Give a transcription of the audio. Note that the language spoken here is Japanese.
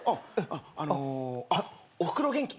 あっおふくろ元気？